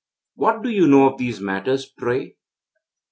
'What do you know of these matters, pray?'